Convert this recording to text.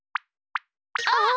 あっ！